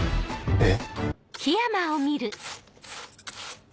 えっ。